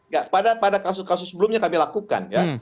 ya pada kasus kasus sebelumnya kami lakukan ya